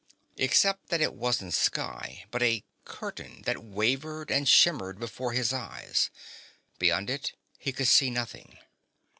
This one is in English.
Except that it wasn't sky, but a curtain that wavered and shimmered before his eyes. Beyond it, he could see nothing.